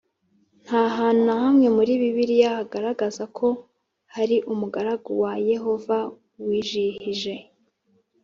Nta hantu na hamwe muri bibiliya hagaragaza ko hari umugaragu wa yehova wijihije